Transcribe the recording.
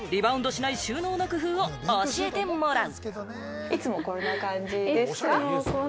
リバウンドしない収納の工夫を教えてもらう。